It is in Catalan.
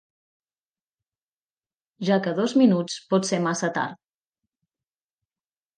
Ja que dos minuts pot ser massa tard.